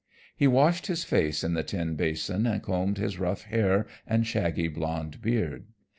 He washed his face in the tin basin and combed his rough hair and shaggy blond beard.